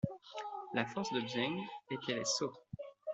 La force de Zhang était les sauts.